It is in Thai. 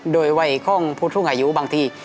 โดยวัยของผู้สูงอายุบางที